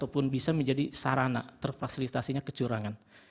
jadi itu bisa menjadi sarana terfasilitasinya kecurangan